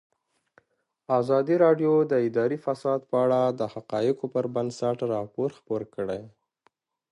ازادي راډیو د اداري فساد په اړه د حقایقو پر بنسټ راپور خپور کړی.